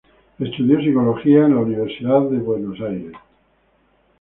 Estudió psicología en la Universidad de Buenos Aires.